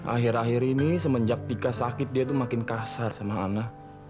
akhir akhir ini semenjak tika sakit dia itu makin kasar sama anak